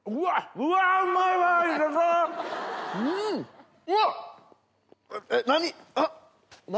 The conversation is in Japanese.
うわっ！